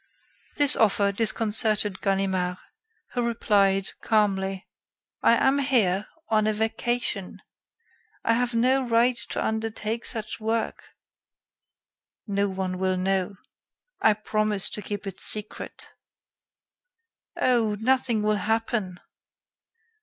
This offer disconcerted Ganimard, who replied, calmly: "I am here on a vacation. I have no right to undertake such work." "No one will know. I promise to keep it secret." "Oh! nothing will happen."